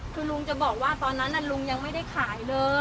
คือลุงจะบอกว่าตอนนั้นลุงยังไม่ได้ขายเลย